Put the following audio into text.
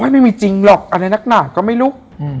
ไม่มีจริงหรอกอะไรนักหนาก็ไม่รู้